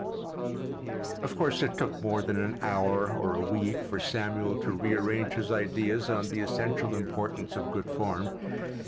Of course it took more than an hour, or a week, for Samuel to rearrange his ideas on the essential importance of good form.